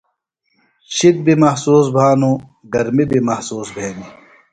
شِد بیۡ محسوس بھانوۡ گرمی بیۡ محسوس بھینیۡ۔